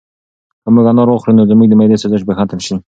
که موږ انار وخورو نو زموږ د معدې سوزش به ختم شي.